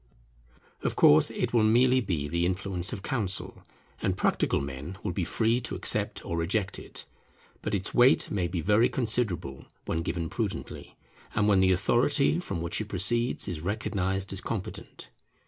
Of course it will merely be the influence of counsel, and practical men will be free to accept or reject it; but its weight may be very considerable when given prudently, and when the authority from which it proceeds is recognized as competent.